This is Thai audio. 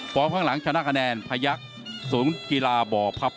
ปอเพิ่งหลังชนะผัยักสูงกีฤตบพับ